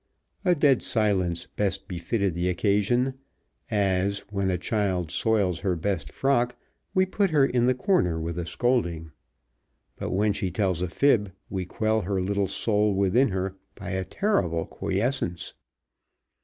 A dead silence best befitted the occasion; as, when a child soils her best frock, we put her in the corner with a scolding; but when she tells a fib we quell her little soul within her by a terrible quiescence.